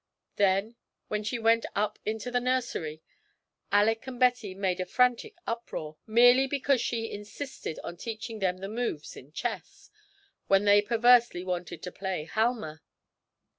Then, when she went up into the nursery, Alick and Betty made a frantic uproar, merely because she insisted on teaching them the moves in chess, when they perversely wanted to play Halma!